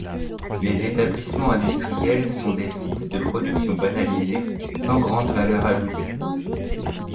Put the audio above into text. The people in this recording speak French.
Les établissements industriels sont des sites de production banalisés, sans grande valeur ajoutée.